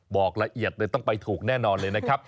บอกละเอียดเลยต้องไปถูกแน่นอนเลยนะครับ